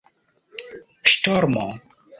ŝtormo